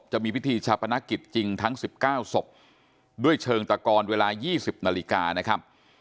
จะมีพิธีชาปนกิจจริงทั้งสิบเก้าศพด้วยเชิงตะกรเวลายี่สิบนาฬิกานะครับ